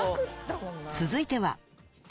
続いては。